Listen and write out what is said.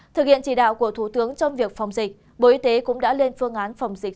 thực hiện chỉ đạo của thủ tướng trong việc phòng dịch bộ y tế cũng đã lên phương án phòng dịch